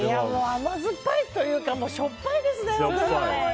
甘酸っぱいというかしょっぱいですね。